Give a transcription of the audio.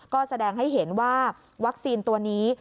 ก็แสดงให้เห็นว่าวัคซีนตัวนี้